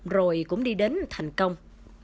rồi cũng đi đến thành công